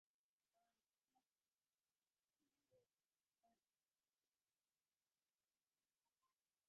তখন মৃত্যুঞ্জয় যষ্টির উপর ভর করিয়া হাতড়াইয়া সুরঙ্গ হইতে বাহির হইবার চেষ্টা করিল।